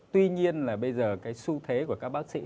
tuy nhiên là bây giờ cái xu thế của các bác sĩ